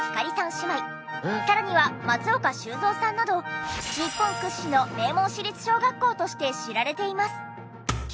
姉妹さらには松岡修造さんなど日本屈指の名門私立小学校として知られています。